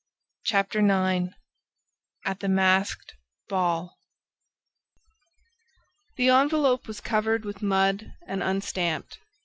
Chapter IX At the Masked Ball The envelope was covered with mud and unstamped.